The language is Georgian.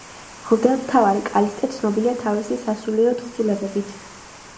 მღვდელმთავარი კალისტე ცნობილია თავისი სასულიერო თხზულებებით.